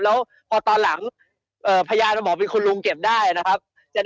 แล้วพอตอนหลังพยานบอกเป็นคุณลุงเก็บได้นะครับ